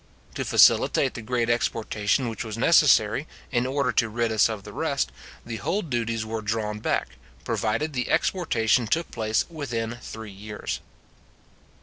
To facilitate the great exportation which was necessary, in order to rid us of the rest, the whole duties were drawn back, provided the exportation took place within three years.